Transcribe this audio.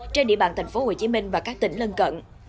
trên địa bàn tp hcm và các tỉnh lân cận